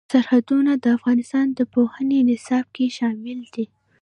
سرحدونه د افغانستان د پوهنې نصاب کې شامل دي.